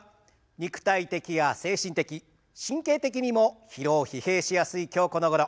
肉体的や精神的神経的にも疲労疲弊しやすい今日このごろ。